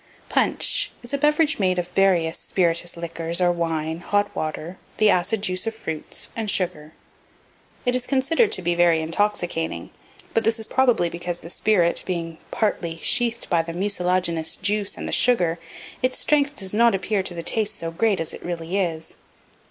PUNCH is a beverage made of various spirituous liquors or wine, hot water, the acid juice of fruits, and sugar. It is considered to be very intoxicating; but this is probably because the spirit, being partly sheathed by the mucilaginous juice and the sugar, its strength does not appear to the taste so great as it really is.